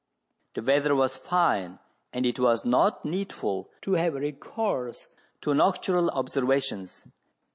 The weather was fine, and it was not needful to have recourse to nocturnal observations.